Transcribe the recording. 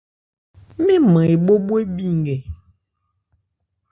Mɛ́n nman ebhó bhwe bhi nkɛ.